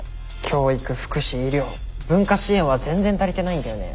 教育福祉医療文化支援は全然足りてないんだよね。